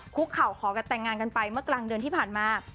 คุกเข่าขอกันแต่งงานกันไปเมื่อกลางเดือนที่ผ่านมา